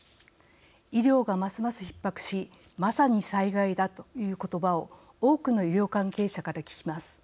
医療が、ますます、ひっ迫しまさに災害だということばを多くの医療関係者から聞きます。